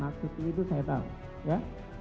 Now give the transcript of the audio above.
maksudnya itu saya tahu ya